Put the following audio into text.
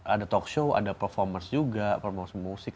ada talkshow ada performance juga performance musik